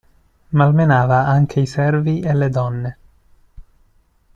Malmenava anche i servi e le donne.